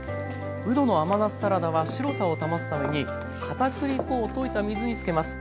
うどの甘夏サラダは白さを保つためにかたくり粉を溶いた水につけます。